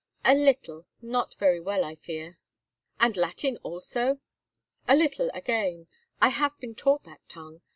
"A little. Not very well, I fear." "And Latin also?" "A little again. I have been taught that tongue.